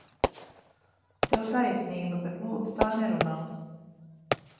Tev taisnība, bet, lūdzu, tā nerunā!